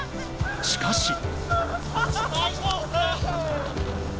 しかし。